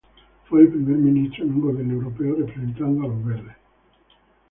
Fue el primer ministro en un gobierno europeo representando a los verdes.